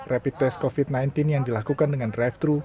rapid test covid sembilan belas yang dilakukan dengan drive thru